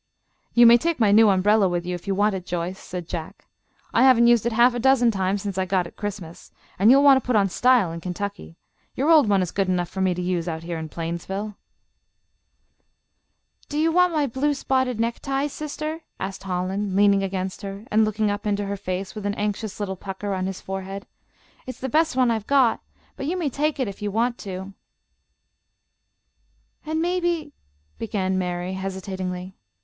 "You may take my new umbrella with you, if you want it, Joyce," said Jack. "I haven't used it half a dozen times since I got it Christmas, and you will want to put on style in Kentucky. Your old one is good enough for me to use out here in Plainsville." "Do you want my blue spotted necktie, sister?" asked Holland, leaning against her and looking up into her face with an anxious little pucker on his forehead. "It's the best one I've got, but you may take it if you want to." "And maybe " began Mary, hesitatingly.